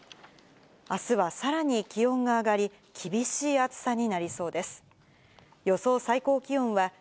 あすはさらに気温が上がり、厳しい暑さになりそうです。